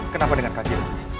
kenapa dengan kaki